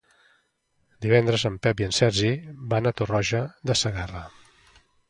Divendres en Pep i en Sergi van a Tarroja de Segarra.